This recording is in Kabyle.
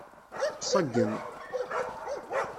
Ṣeggem.